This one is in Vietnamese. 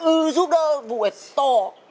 ừ giúp đỡ vụ này to